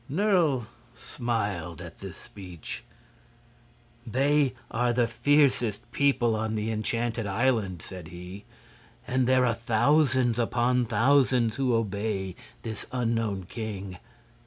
Nerle smiled at this speech. "They are the fiercest people on the Enchanted Island," said he, "and there are thousands upon thousands who obey this unknown king.